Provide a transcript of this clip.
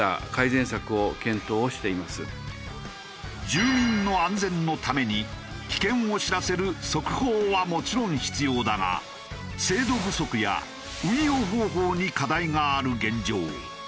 住民の安全のために危険を知らせる速報はもちろん必要だが精度不足や運用方法に課題がある現状。